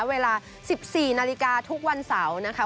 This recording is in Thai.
เวลา๑๔นาฬิกาทุกวันเสาร์นะคะ